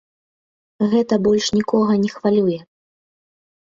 Гэта больш нікога не хвалюе.